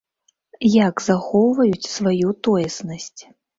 Як захоўваюць сваю тоеснасць?